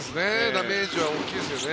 ダメージは大きいですよね。